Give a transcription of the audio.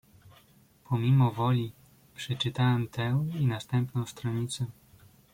"Pomimo woli przeczytałem tę i następną stronicę."